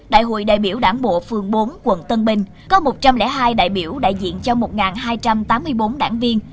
đại hội đại biểu đảng bộ phường bốn quận tân bình có một trăm linh hai đại biểu đại diện cho một hai trăm tám mươi bốn đảng viên